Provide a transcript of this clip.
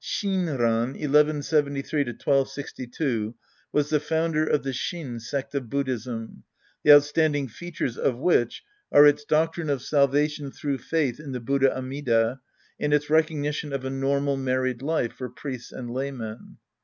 Shinran ( 1 1 73 to 1 262) was the founder of the Shin sect of Buddhism, the outstanding features^ of which are its'doctrine of salvation through faith in^ the Buddha Amida and its recggnition of a normal married life for priests and laymen.